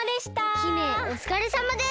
姫おつかれさまです！